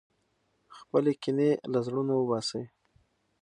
خپلې کینې له زړونو وباسئ.